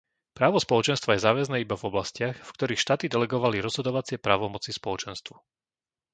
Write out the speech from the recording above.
Právo Spoločenstva je záväzné iba v oblastiach, v ktorých štáty delegovali rozhodovacie právomoci Spoločenstvu.